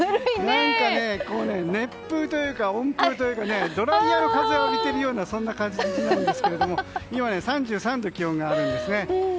何か、熱風というか温風というかドライヤーの風を浴びているような感じなんですが今、気温が３３度あるんですね。